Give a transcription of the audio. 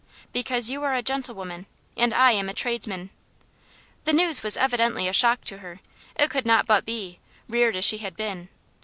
"Because you are a gentlewoman and I am a tradesman." The news was evidently a shock to her it could not but be, reared as she had been.